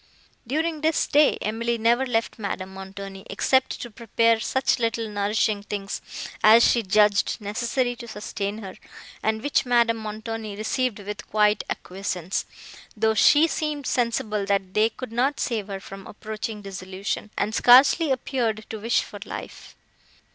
During this day, Emily never left Madame Montoni, except to prepare such little nourishing things as she judged necessary to sustain her, and which Madame Montoni received with quiet acquiescence, though she seemed sensible that they could not save her from approaching dissolution, and scarcely appeared to wish for life.